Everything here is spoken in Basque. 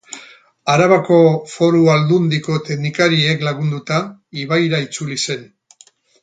Arabako Foru Aldundiko teknikariek lagunduta, ibaira itzuli zen.